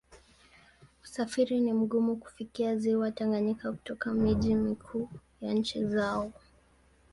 Usafiri ni mgumu kufikia Ziwa Tanganyika kutoka miji mikuu ya nchi zao.